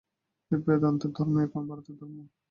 এই বেদান্তের ধর্মই এখন ভারতের ধর্ম।